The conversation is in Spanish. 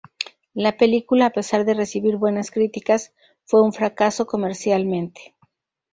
La película, a pesar de recibir buenas críticas, fue un fracaso comercialmente.